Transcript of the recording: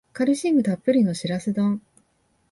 カルシウムたっぷりのシラス丼